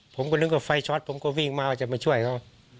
ผมก็นึกว่าไฟช็อตผมก็วิ่งมาว่าจะมาช่วยเขา